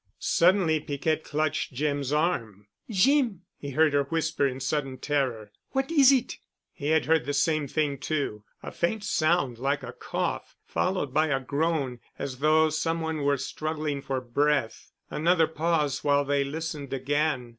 Suddenly Piquette clutched Jim's arm. "Jeem!" he heard her whisper in sudden terror. "What is it?" He had heard the same thing too, a faint sound, like a cough, followed by a groan as though some one were struggling for breath. Another pause while they listened again.